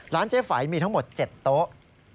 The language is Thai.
ร้านเจฝัยมีทั้งหมด๗โต๊ะ